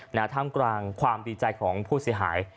ท่ามกลางความดีใจของผู้เสียหาย